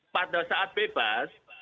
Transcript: pada saat bebas